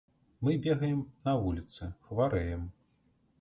Мы бегаем на вуліцы, хварэем.